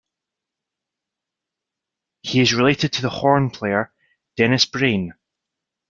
He is related to the horn player Dennis Brain.